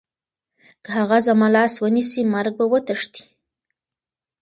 که هغه زما لاس ونیسي، مرګ به وتښتي.